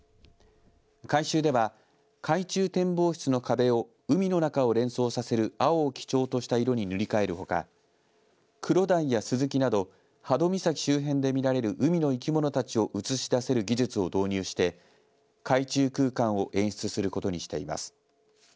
改修では海中展望室の壁を海の中を連想させる青を基調とした色に塗り替えるほかクロダイやスズキなど波戸岬周辺で見られる海の生き物たちを映し出せる技術を導入して海中空間を演出することにしています。